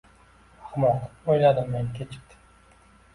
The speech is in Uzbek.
“Ahmoq!” – oʻyladim men. Kechikdi!